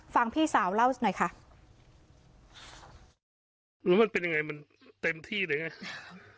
พี่สาวเล่าหน่อยค่ะแล้วมันเป็นยังไงมันเต็มที่เลยไง